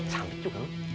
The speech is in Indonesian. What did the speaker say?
sampe juga lu